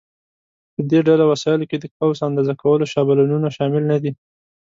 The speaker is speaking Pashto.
په دې ډله وسایلو کې د قوس اندازه کولو شابلونونه شامل نه دي.